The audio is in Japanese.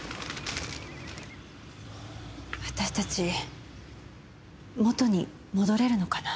私たち元に戻れるのかな？